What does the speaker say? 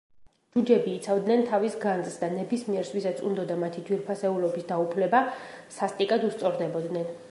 ჯუჯები იცავდნენ თავის განძს და ნებისმიერს, ვისაც უნდოდა მათი ძვირფასეულობის დაუფლება, სასტიკად უსწორდებოდნენ.